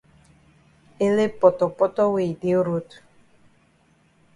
Ele potopoto wey yi dey road.